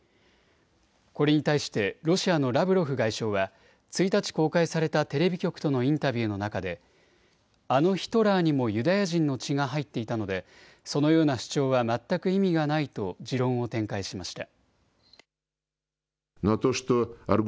これに対して、ロシアのラブロフ外相は、１日公開されたテレビ局とのインタビューの中で、あのヒトラーにもユダヤ人の血が入っていたので、そのような主張は全く意味がないと、持論を展開しました。